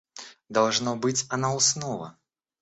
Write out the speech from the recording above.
Должно быть, она уснула.